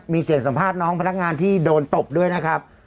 มีเสียงสัมภาษณ์น้องพนักงานที่โดนตบด้วยนะครับ